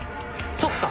そっか。